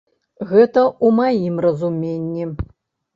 Гэта ў маім разуменні.